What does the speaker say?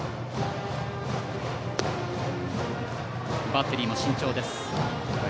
バッテリーも慎重です。